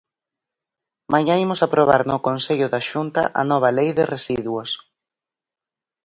Mañá imos aprobar no Consello da Xunta a nova Lei de residuos.